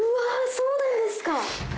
そうなんですか。